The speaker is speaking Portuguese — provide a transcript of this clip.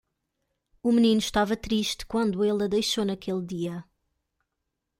O menino estava triste quando ele a deixou naquele dia.